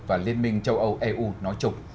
và liên minh châu âu eu nói chung